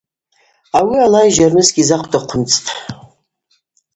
Ауи ала йжьарныс гьизахъвдаквымцӏтӏ.